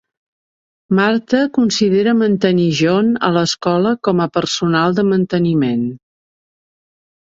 Martha considera mantenir John a l'escola com a personal de manteniment.